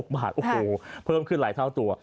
บาทโอ้โหเพิ่มขึ้นหลายเท่าตัว